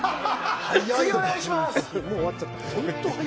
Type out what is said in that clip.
次、お願いします。